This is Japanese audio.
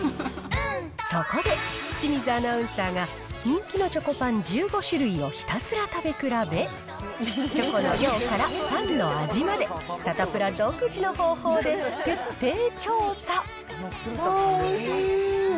そこで清水アナウンサーが人気のチョコパン１５種類をひたすら食べ比べ、チョコの量からパンの味まで、サタプラ独自の方法で徹底調査。